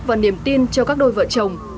và niềm tin cho các đôi vợ chồng